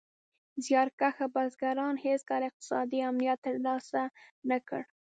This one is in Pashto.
زیار کښه بزګران هېڅکله اقتصادي امنیت تر لاسه نه کړ.